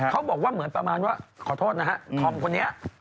เขาบอกว่าเหมือนประมาณว่าขอโทษนะฮะธอมคนนี้